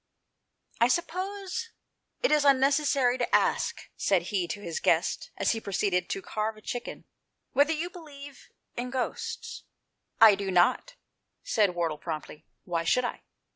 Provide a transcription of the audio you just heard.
"I suppose it is unnecessary to ask," said 168 THE PLACE OP SAFETT. he to his guest as he proceeded to carve a chicken, " whether you believe in ghosts ?" "I do not," said Wardle promptly, "why should I?"